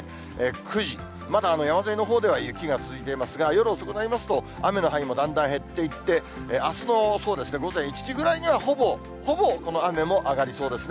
９時、まだ山沿いのほうでは雪が続いていますが、夜遅くなりますと、雨の範囲もだんだん減っていって、あすの午前１時ぐらいにはほぼ、ほぼこの雨も上がりそうですね。